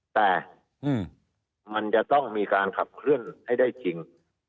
แต่มันจะต้องมีการขับเคลื่อนให้ได้จริง